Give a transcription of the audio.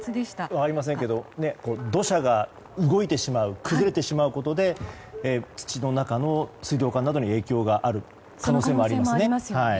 土砂が動いてしまう崩れてしまうことで土の中の水道管などに影響がある可能性もありますね。